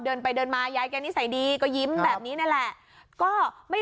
ตอนแรกคุณยายบอกล็อกค่าล็อกค่า